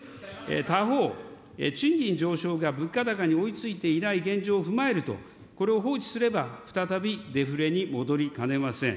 他方、賃金上昇が物価高に追いついていない現状を踏まえると、これを放置すれば、再びデフレに戻りかねません。